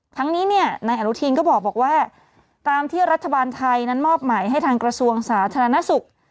ทั้งนี้เนี่ยนายอนุทินก็บอกว่าตามที่รัฐบาลไทยนั้นมอบหมายให้ทางกระทรวงสาธารณสุข